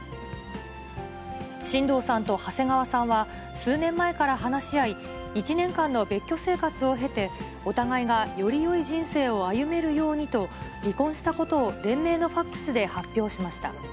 新藤さんと長谷川さんは数年前から話し合い、１年間の別居生活を経て、お互いがよりよい人生を歩めるようにと離婚したことを連名のファックスで発表しました。